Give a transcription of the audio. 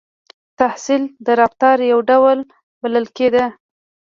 • تحصیل د رفتار یو ډول بلل کېده.